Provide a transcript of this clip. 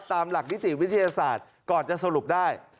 ตามหลักนิติวิทยาศาสตร์ก่อนจะสรุปได้